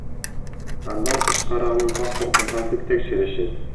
Андан тышкары анын паспортун кантип текшеришет?